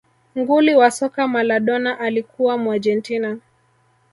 nguli wa soka maladona alikuwa muargentina